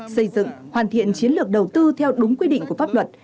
xây dựng hoàn thiện chiến lược đầu tư theo đúng quy định của pháp luật